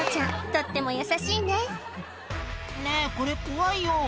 とっても優しいね「ねぇこれ怖いよ」